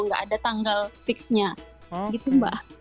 enggak ada tanggal fix nya gitu mbak